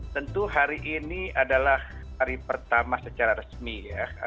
tentu hari ini adalah hari pertama secara resmi ya